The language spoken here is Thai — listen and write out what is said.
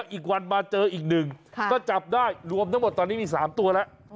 อีกวันมาเจออีกหนึ่งก็จับได้รวมทั้งหมดตอนนี้มี๓ตัวแล้ว